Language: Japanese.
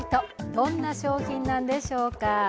どんな商品なんでしょうか。